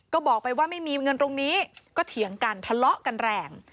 ก็บอกไปว่าไม่มีเงินตรงนี้ก็เถียงกันทะเลาะกันแรง